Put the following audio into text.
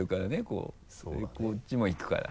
こっちも行くから。